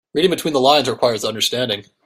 Reading between the lines requires understanding.